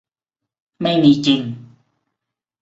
ไม่มีจริง